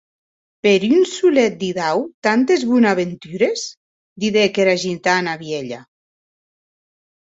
Per un solet didau tantes bonaventures?, didec era gitana vielha.